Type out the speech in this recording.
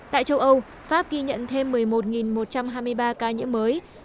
tại châu âu pháp ghi nhận thêm một mươi một một trăm hai mươi ba ca nhiễm mới